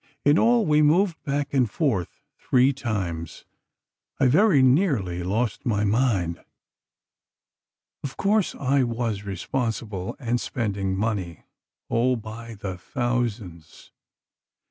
In all, we moved back and forth three times. I very nearly lost my mind. "Of course, I was responsible, and spending money—oh, by the thousands.